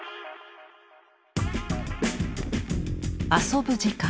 「遊ぶ時間」。